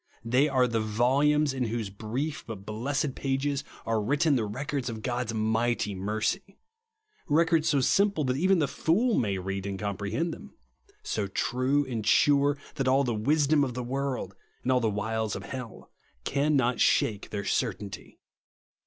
They are the volumes in whose brief but blessed pages are written the re cords of God's mighty mercy ; records so simple that even the " fool" may read and cdmprchend them ; so true and sure that all the w^isdom of the world, and all the wiles of hell, cannot shake their certainty.